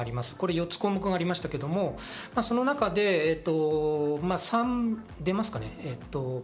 ４つ項目がありましたけど、その中で出ますかね。